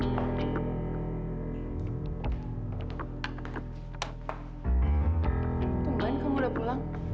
tungguin kamu udah pulang